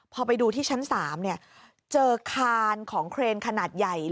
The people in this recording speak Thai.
พอไปดูที่ชั้น๓เจอคานของเครนขนาดใหญ่